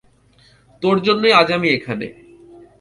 তোর জন্যই আজ আমি এখানে।